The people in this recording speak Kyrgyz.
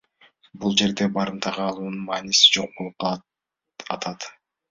Бул жерде барымтага алуунун мааниси жок болуп калып атат.